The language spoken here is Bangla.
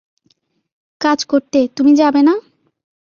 কাজ করতে, তুমি যাবে না?